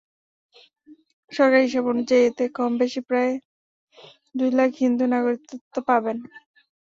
সরকারি হিসাব অনুযায়ী, এতে কমবেশি প্রায় দুই লাখ হিন্দু নাগরিকত্ব পাবেন।